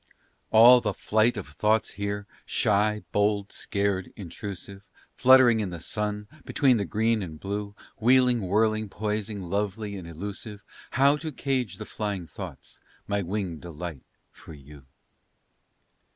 ALL the flight of thoughts here, shy, bold, scared, intrusive, Fluttering in the sun, between the green and blue, Wheeling, whirling, poising, lovely and elusive, How to cage the flying thoughts, my winged delight, for you?